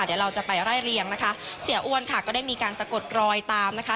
เดี๋ยวเราจะไปไล่เรียงนะคะเสียอ้วนค่ะก็ได้มีการสะกดรอยตามนะคะ